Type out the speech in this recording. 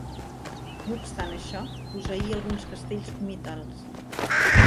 No obstant això, posseïa alguns castells comitals.